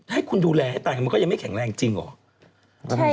ให้คุณดูแลให้ตายมันก็ยังไม่แข็งแรงจริงเหรอ